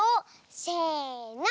せの！